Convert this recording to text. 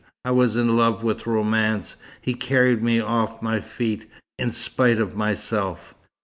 I was in love with romance. He carried me off my feet, in spite of myself."